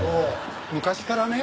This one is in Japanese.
昔からね